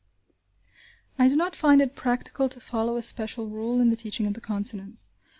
I do not find it practical to follow a special rule in the teaching of the consonants.